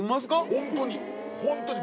ホントに。